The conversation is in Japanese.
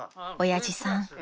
［親父さん